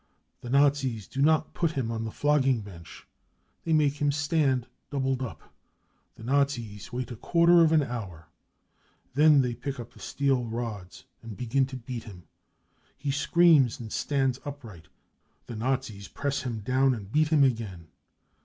The < Nazis ^o not put him on the flogging bench ; they make f ^lim stand doubled up. The Nazis wait a quarter of an f hour. Then they pick up the steel rods, and begin to 9 200 BROWN BOOK OF THE HITLER TERROR beat him. He screams and stands upright ; the Nazis press him down and beat him again.